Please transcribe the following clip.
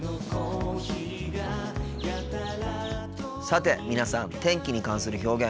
さて皆さん天気に関する表現